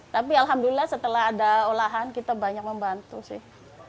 tapi alhamdulillah setelah ada olahan kita banyak membantu sih